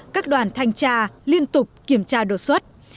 các đoàn thanh tra liên tục kiểm tra đột xuất